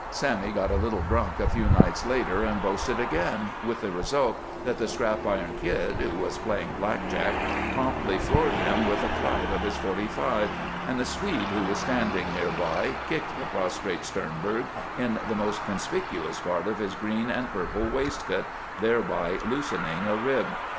Sammy got a little drunk a few nights later and boasted again, with the result that the Scrap Iron Kid, who was playing black jack, promptly floored him with a clout of his .45, and the Swede who was standing near by kicked the prostrate Sternberg in the most conspicuous part of his green and purple waistcoat, thereby loosening a rib.